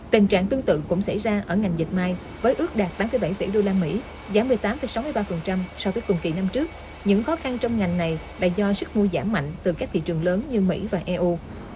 tình trạng tương tự cũng xảy ra ở ngành dịch mai với ước đạt tám bảy tỷ đô la mỹ giảm một mươi tám sáu mươi ba phần trăm so với cùng kỳ năm trước những khó khăn trong ngành này bày do sức mua giảm mạnh từ các thị trường lớn như mỹ và eu